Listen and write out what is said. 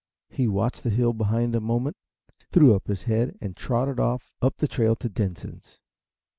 He watched the hill behind a moment, threw up his head and trotted off up the trail to Denson's.